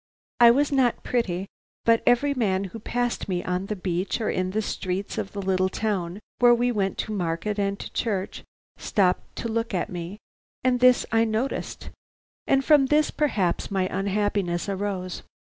"I was not pretty, but every man who passed me on the beach or in the streets of the little town where we went to market and to church, stopped to look at me, and this I noticed, and from this perhaps my unhappiness arose.